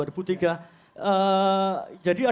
dan ini mengakibatkan krisis kemanusiaan